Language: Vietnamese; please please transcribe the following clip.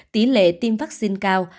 tỷ lệ tiêm vaccine cao